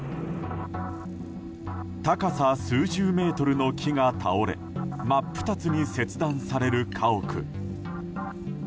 高さ数十メートルの木が倒れ真っ二つに切断される家屋。